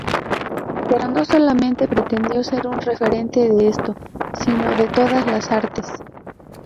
Pero no solamente pretendió ser un referente de esto, sino de todas las artes.